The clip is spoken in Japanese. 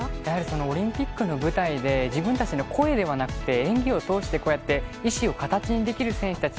オリンピックの舞台で自分たちの声ではなくて演技を通して意思を形にできる選手たち